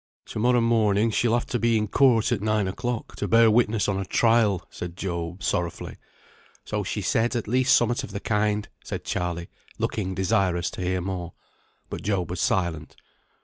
"To morrow morning she'll have to be in court at nine o'clock, to bear witness on a trial," said Job, sorrowfully. "So she said; at least somewhat of the kind," said Charley, looking desirous to hear more. But Job was silent.